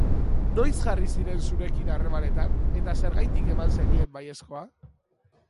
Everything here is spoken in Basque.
Noiz jarri ziren zurekin harremanetan, eta zergatik eman zenien baiezkoa?